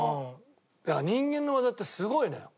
人間の業ってすごいのよ。